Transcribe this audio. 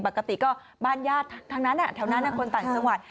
ปกติก็บ้านญาติทั้งนั้นแถวนั้นคนต่างจังหวัด